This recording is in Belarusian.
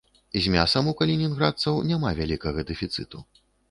З мясам у калінінградцаў няма вялікага дэфіцыту.